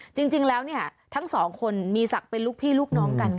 จริงจริงแล้วเนี่ยทั้งสองคนมีศักดิ์เป็นลูกพี่ลูกน้องกันค่ะ